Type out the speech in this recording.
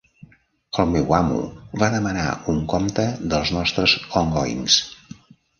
El meu amo va demanar un compte dels nostres ongoings.